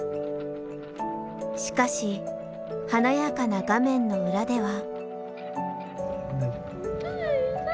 しかし華やかな画面の裏では。